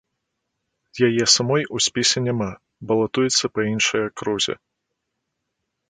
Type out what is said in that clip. Яе самой у спісе няма, балатуецца па іншай акрузе.